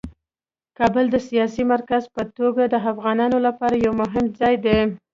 کابل د سیاسي مرکز په توګه د افغانانو لپاره یو مهم ځای دی.